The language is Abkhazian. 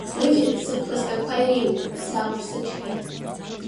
Уигьы сыԥхасҭақәа иреиуоуп саақәԥсычҳаит.